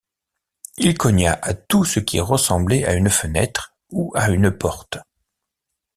Il cogna à tout ce qui ressemblait à une fenêtre, ou à une porte.